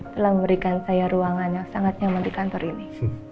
telah memberikan saya ruangan yang sangat nyaman di kantor ini